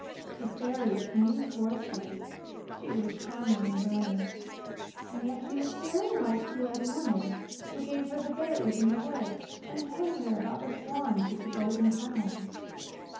The fairy came towards her, she was charming and brilliant, and yet she was very like the old woman who gave her the berries in the wood, and told her about the swans with the golden crowns.